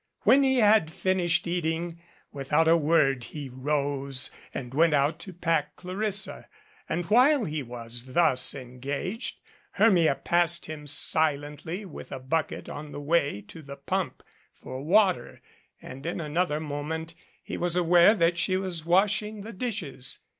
When he had finished eating, without a word he rose, and went out to pack Clarissa, and while he was thus en gaged Hermia passed him silently with a bucket on the }~wa.y to the pump for water, and in another moment he was aware that she was washing the dishes.